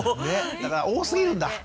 だから多すぎるんだ。